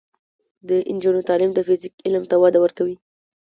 د نجونو تعلیم د فزیک علم ته وده ورکوي.